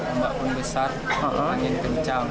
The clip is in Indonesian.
ombak pun besar angin kencang